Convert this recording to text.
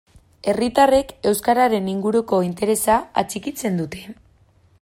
Herritarrek euskararen inguruko interesa atxikitzen dute?